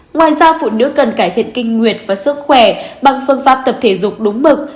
ngoài ra phụ nữ cần cải thiện kinh nguyệt và sức khỏe bằng phương pháp tập thể dục đúng mực